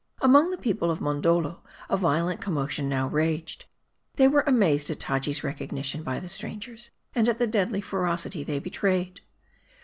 Among the people of .Mondoldo, a violent commotion now raged. They were amazed at Taji's recognition by the strangers, and at the deadly ferocity they betrayed.